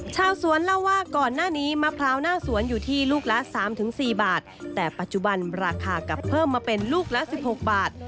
ชาวสวนเล่าว่าก่อนหน้านี้มะพร้าวหน้าสวนอยู่ที่ลูกละ๓๔บาท